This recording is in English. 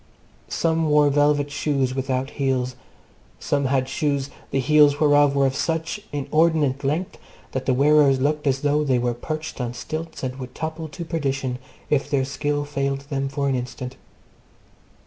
Some wore velvet shoes without heels. Some had shoes, the heels whereof were of such inordinate length that the wearers looked as though they were perched on stilts and would topple to perdition if their skill failed for an instant.